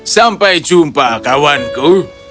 sampai jumpa kawanku